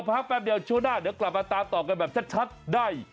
พักแป๊บเดียวช่วงหน้าเดี๋ยวกลับมาตามต่อกันแบบชัดได้